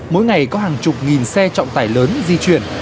mỗi ngày có hàng chục nghìn xe trọng tải lớn di chuyển